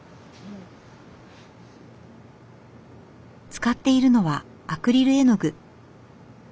使っているのはアクリル絵の具。